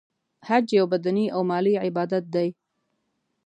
حج یو بدنې او مالی عبادت دی .